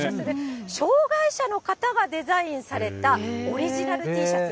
障害者の方がデザインされたオリジナルＴシャツ。